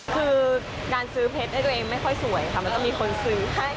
คือการซื้อเพชรตัวเองไม่ค่อยสวยค่ะมันจะมีคนซื้อให้